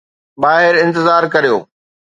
ٻاهر انتظار ڪريو.